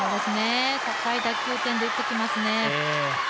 高い打球点で打ってきますね。